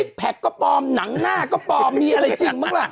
แพคก็ปลอมหนังหน้าก็ปลอมมีอะไรจริงบ้างล่ะ